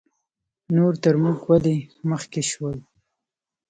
نور تر موږ ولې مخکې شول؟